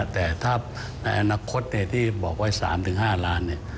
แต่ถ้าในอนาคตที่บอกว่า๓ถึง๕ล้านเนี่ย